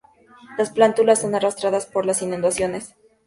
Las plántulas son arrastradas por las inundaciones.